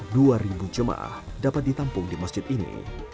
dua ribu jemaah dapat ditampung di masjid ini